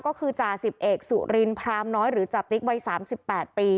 ก็คือจาสิบเอกสุรินพรามน้อยหรือจาติ๊กวัยสามสิบแปดปี